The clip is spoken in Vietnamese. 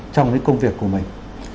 trong cái công việc của mình